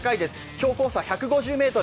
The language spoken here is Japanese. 標高差１５０ｍ。